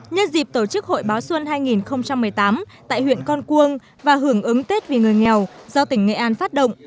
nhân dịp tổ chức hội báo xuân hai nghìn một mươi tám tại huyện con cuông và hưởng ứng tết vì người nghèo do tỉnh nghệ an phát động